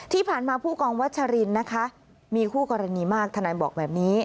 ที่ผ่านมาผู้กองวัชรินนะคะมีคู่กรณีมากทนายบอกแบบนี้